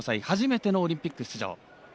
初めてのオリンピック出場。